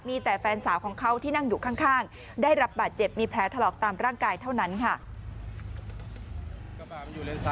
มีแต่แฟนสาวของเขาที่นั่งอยู่ข้างได้รับบาดเจ็บมีแผลถลอกตามร่างกายเท่านั้นค่ะ